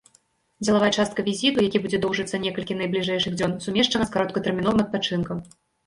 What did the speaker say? Дзелавая частка візіту, які будзе доўжыцца некалькі найбліжэйшых дзён, сумешчана з кароткатэрміновым адпачынкам.